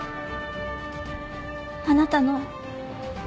あなたの。